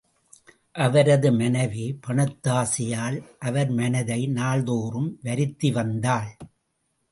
அவரது மனைவி பணத்தாசையால் அவர் மனதை நாள்தோறும் வருத்தி வந்தாள்.